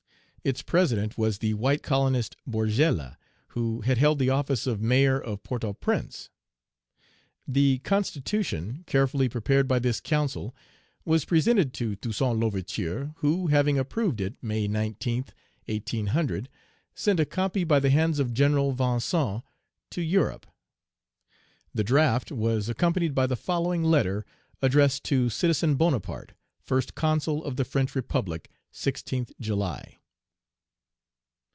Its president was the white colonist Borgella, who had held the office of Mayor of Port au Prince. The constitution, carefully prepared by this council, was presented to Toussaint L'Ouverture, who, having approved it (May 19th, 1800), sent a copy by the hands of General Vincent to Europe. The draft was accompanied by the following letter, addressed to "Citizen Bonaparte, First Consul of the French Republic (16th July)."